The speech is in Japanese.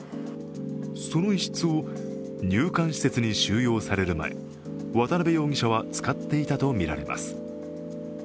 その一室を、入管施設に収容される前渡辺容疑者は使っていたとみられます。